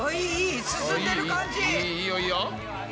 いいよいいよ。